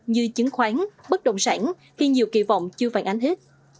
như chứng khoán bất động sản khi nhiều kỳ vọng chưa phản ánh hết